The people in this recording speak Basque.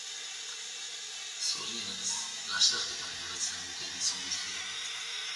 Zorionez lasterketan jarraitzen dute gizon guztiek.